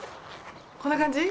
こんな感じ？